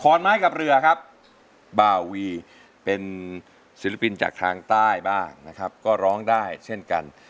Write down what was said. ไม้กับเรือครับบาวีเป็นศิลปินจากทางใต้บ้างนะครับก็ร้องได้เช่นกัน